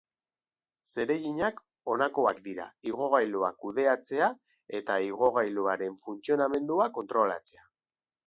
Zereginak honakoak dira: igogailua kudeatzea eta igogailuaren funtzionamendua kontrolatzea.